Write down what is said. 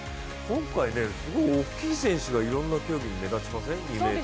今回、大きい選手がいろんな種目に目立ちません？